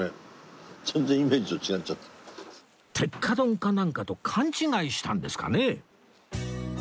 鉄火丼かなんかと勘違いしたんですかね？